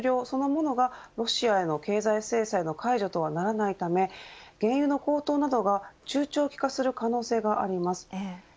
そのものがロシアへの経済制裁の解除とはならないため原油の高騰などが中長期化する可能性があります。